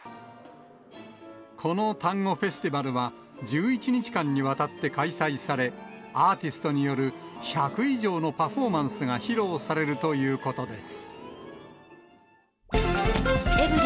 このタンゴフェスティバルは、１１日間にわたって開催され、アーティストによる１００以上のパフォーマンスが披露されるということです。